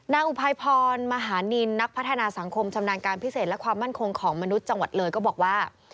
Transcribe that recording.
อุภัยพรมหานินนักพัฒนาสังคมชำนาญการพิเศษและความมั่นคงของมนุษย์จังหวัดเลยก็บอกว่า